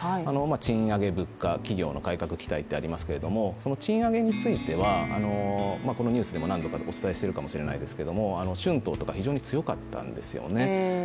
賃上げ、物価企業の改革期待とありますけれども賃上げについては、このニュースでも何度かお伝えしてるかもしれないですけど春闘とか非常に強かったんですよね。